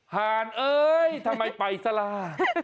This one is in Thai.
หารเอ้ยทำไมไปสลา